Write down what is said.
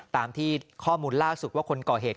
ตามที่ข้อมูลล่าสุดว่าคนก่อเหตุ